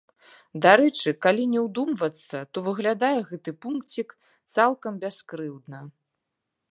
Дарэчы, калі не ўдумвацца, то выглядае гэты пункцік цалкам бяскрыўдна.